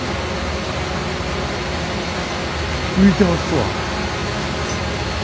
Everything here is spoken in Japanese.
浮いてますわ。